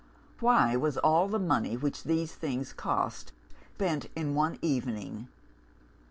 Why was all the money which these things cost spent in one evening?